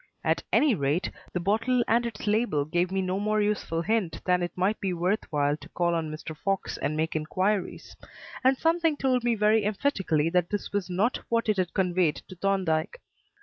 At any rate, the bottle and its label gave me no more useful hint than it might be worth while to call on Mr. Fox and make inquiries; and something told me very emphatically that this was not what it had conveyed to Thorndyke.